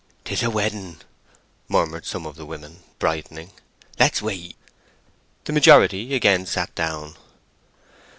"'Tis a wedding!" murmured some of the women, brightening. "Let's wait!" The majority again sat down.